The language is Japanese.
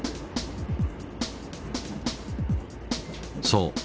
そう。